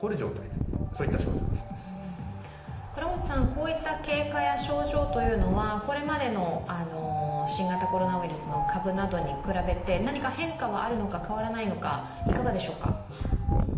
こういった経過や症状というのは、これまでの新型コロナウイルスの株などに比べて何か変化はあるのか、変わらないのか、いかがでしょうか？